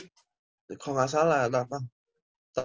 kalau nggak salah nggak tau